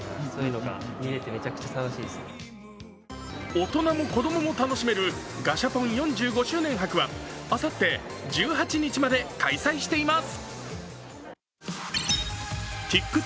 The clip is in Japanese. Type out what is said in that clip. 大人も子供も楽しめるガシャポン４５周年博はあさって１８日まで開催しています。